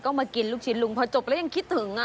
ก็มากินลูกชิ้นลุงพอจบแล้วยังคิดถึง